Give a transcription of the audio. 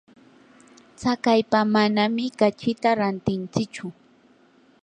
tsakaypa manami kachita rantintsichu.